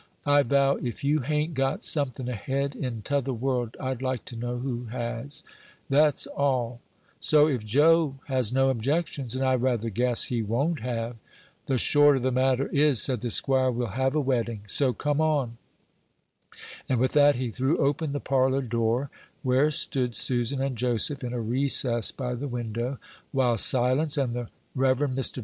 I vow, if you hain't got something ahead in t'other world, I'd like to know who has that's all; so, if Joe has no objections, and I rather guess he won't have " "The short of the matter is," said the squire, "we'll have a wedding; so come on;" and with that he threw open the parlor door, where stood Susan and Joseph in a recess by the window, while Silence and the Rev. Mr.